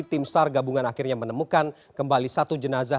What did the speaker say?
tim sar gabungan akhirnya menemukan kembali satu jenazah